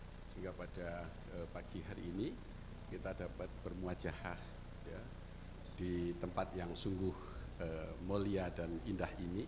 sehingga pada pagi hari ini kita dapat bermuajaha di tempat yang sungguh mulia dan indah ini